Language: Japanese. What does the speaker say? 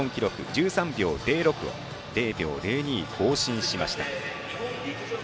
１３秒０６を０秒０２更新しました。